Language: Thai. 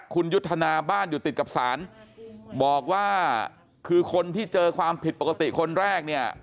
คุณยุทธนาบ้านอยู่ติดกับศาลบอกว่าคือคนที่เจอความผิดปกติคนแรกเนี่ย